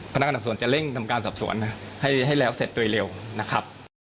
พนักงานดับส่วนจะเร่งทำการสอบสวนให้แล้วเสร็จโดยเร็วนะครับ